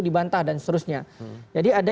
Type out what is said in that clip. dibantah dan seterusnya jadi ada